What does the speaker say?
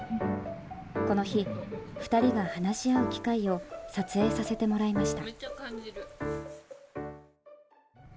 この日、２人が話し合う機会を撮影させてもらいました。